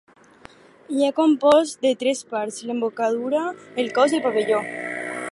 Hi ha compost de tres parts: l'embocadura, el cos i el pavelló.